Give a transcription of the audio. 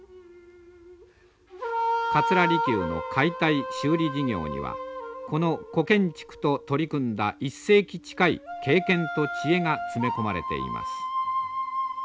桂離宮の解体修理事業にはこの古建築と取り組んだ１世紀近い経験と知恵が詰め込まれています。